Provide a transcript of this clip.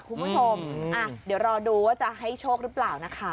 คุณผู้ชมเดี๋ยวรอดูว่าจะให้โชคหรือเปล่านะคะ